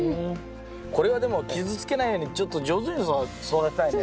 これはでも傷つけないようにちょっと上手に育てたいね。